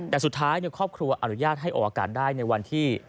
แต่สุดท้ายครอบครัวอนุญาตให้ออกอากาศได้ในวันที่